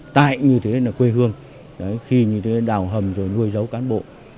tại như thế là quê hương khi như thế là đảo hầm rồi nuôi dấu cán bộ